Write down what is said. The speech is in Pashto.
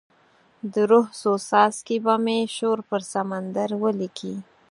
د روح څو څاڅکي به مې شور پر سمندر ولیکې